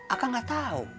akan gak tau